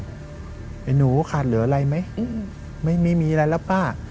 ไอ้หนูขาดเหลืออะไรไหมไม่มีอะไรแล้วป้า